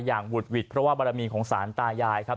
อย่างหมุดหวิดเพราะว่าบารมีคงสายอย่างครับ